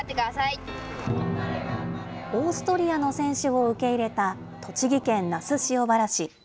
オーストリアの選手を受け入れた栃木県那須塩原市。